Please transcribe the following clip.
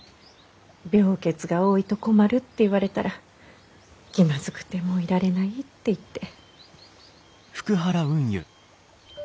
病欠が多いと困るって言われたら気まずくてもう居られないって言って。